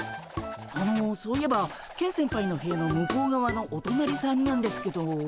あのそういえばケン先輩の部屋の向こうがわのおとなりさんなんですけど。